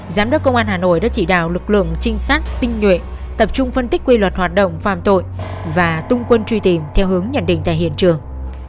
giám đốc công an hà nội đã chỉ đạo lực lượng trinh sát tinh nhuệ tập trung phân tích quy luật hoạt động phạm tội và tung quân truy tìm theo hướng nhận định tại hiện trường